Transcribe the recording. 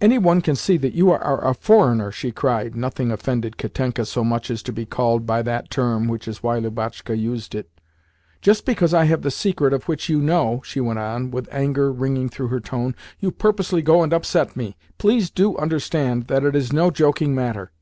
"Any one can see that you are a FOREIGNER!" she cried (nothing offended Katenka so much as to be called by that term, which is why Lubotshka used it). "Just because I have the secret of which you know," she went on, with anger ringing through her tone, "you purposely go and upset me! Please do understand that it is no joking matter."